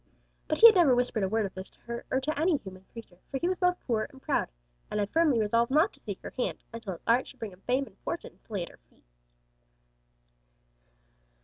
But he had never whispered a word of this to her, or to any human creature, for he was both poor and proud, and had firmly resolved not to seek her hand until his art should bring him fame and fortune to lay at her feet.